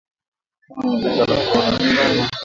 kutokana na janga la Korona